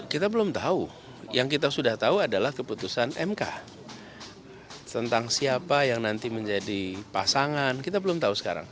kita belum tahu yang kita sudah tahu adalah keputusan mk tentang siapa yang nanti menjadi pasangan kita belum tahu sekarang